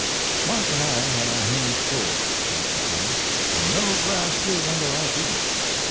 "Mark and I had our hands full," says De Quille, "and no grass grew under our feet."